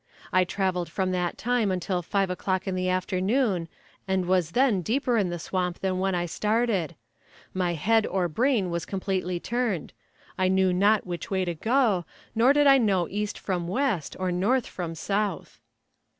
I traveled from that time until five o'clock in the afternoon, and was then deeper in the swamp than when I started. My head or brain was completely turned. I knew not which way to go, nor did I know east from west, or north from south.